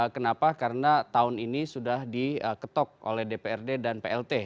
kenapa karena tahun ini sudah diketok oleh dprd dan plt